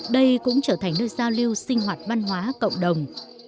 đây cũng trở thành nơi giao lưu sinh hoạt văn hóa cộng đồng